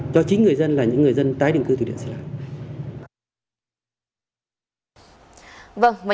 cho chính người dân là những người dân tái định cư từ địa xã lạc